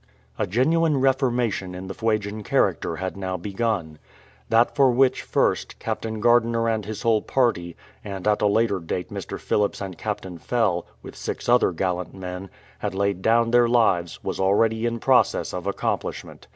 A genuine reformation in the Fuegian character had now begun. Tliat for which, first. Captain Gardiner and his whole party, and at a later date Mr. Phillips and Captain Fell, with six other gallant men, had laid down their lives was already in process of accomplishment.